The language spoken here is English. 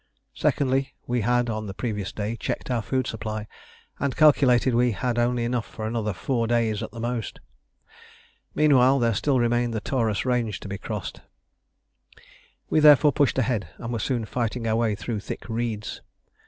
Secondly, we had on the previous day checked our food supply, and calculated we had only enough for another four days at the most. Meanwhile, there still remained the Taurus range to be crossed. We therefore pushed ahead, and were soon fighting our way through thick reeds.